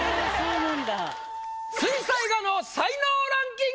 水彩画の才能ランキング！